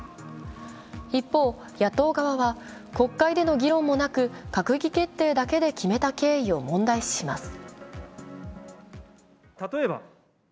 一方、野党側は国会での議論もなく閣議決定だけで決めた経緯を問題視します。